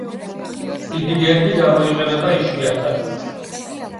დიდი გერბი გამოიყენება იშვიათად.